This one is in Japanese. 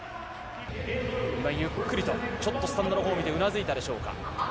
今ゆっくりと、ちょっとスタンドのほうを見て、うなずいたでしょうか。